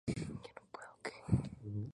Las lagunas y los humedales adyacentes a estas.